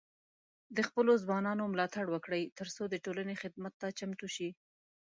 د خپلو ځوانانو ملاتړ وکړئ، ترڅو د ټولنې خدمت ته چمتو شي.